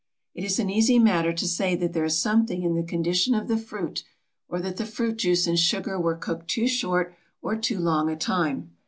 It is an easy matter to say that there is something in the condition of the fruit, or that the fruit juice and sugar were cooked too short or too long a time.